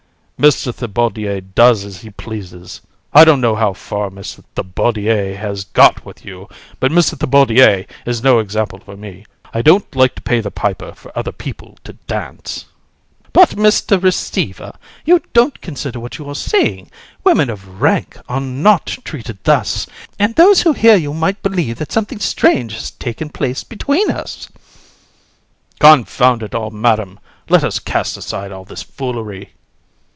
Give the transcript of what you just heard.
HAR. Mr. Thibaudier does as he pleases; I don't know how far Mr. Thibaudier has got with you, but Mr. Thibaudier is no example for me. I don't like to pay the piper for other people to dance. COUN. But, Mr. Receiver, you don't consider what you are saying. Women of rank are not treated thus, and those who hear you might believe that something strange had taken place between us. HAR. Confound it all, Madam; let us cast aside all this foolery.